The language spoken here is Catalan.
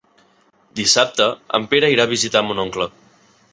Dissabte en Pere irà a visitar mon oncle.